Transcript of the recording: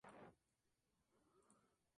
Su personalidad era única.